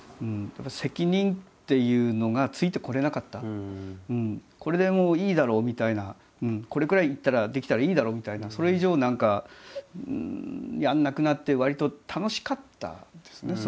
だからこれでもういいだろうみたいなこれくらいいったらできたらいいだろうみたいな。それ以上何かやらなくなってわりと楽しかったんですね